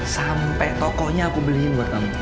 sampai tokonya aku beliin buat kamu